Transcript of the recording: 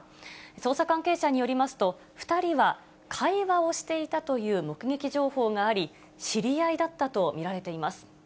捜査関係者によりますと、２人は会話をしていたという目撃情報があり、知り合いだったと見られています。